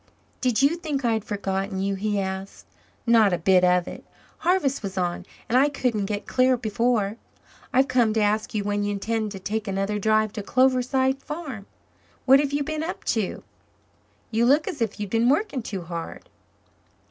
"Did you think I had forgotten you?" he asked. "Not a bit of it. Harvest was on and I couldn't get clear before. I've come to ask you when you intend to take another drive to Cloverside Farm. What have you been up to? You look as if you'd been working too hard."